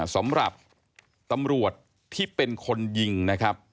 สำหรับตำรวจที่เป็นคนยิงนะครับ